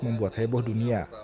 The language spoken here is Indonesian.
membuat heboh dunia